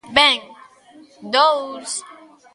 Ben, dous.